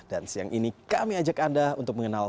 dan siang ini kami ajak anda untuk mengenal